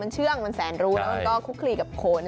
มันชื่องมันแสนรู้และก็คุกคลีกับคน